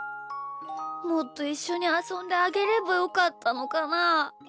もっといっしょにあそんであげればよかったのかな？